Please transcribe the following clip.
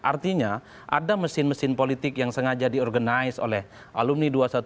artinya ada mesin mesin politik yang sengaja diorganize oleh alumni dua ratus dua belas